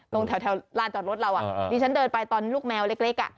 ตรงแถวลานจอดรถเราดิฉันเดินไปตอนลูกแมวเล็ก